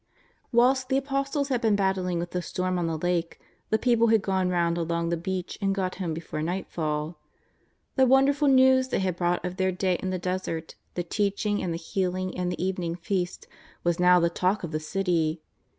Whilst the Apostles had been battling with the storm on the Lake, the people had gone round along the beach and got home before nightfall. The wonderful news they had brought of their day in the desert — the teaching and the healing and the even ing feast — was now the talk of the city.